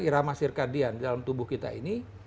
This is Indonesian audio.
di ekstradian dalam tubuh kita ini